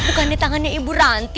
bukan di tangannya ibu ranti